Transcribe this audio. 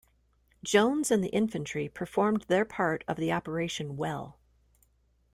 Jones and the infantry performed their part of the operation well.